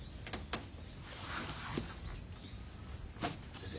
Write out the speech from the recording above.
先生。